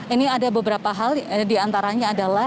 ini ada beberapa hal diantaranya adalah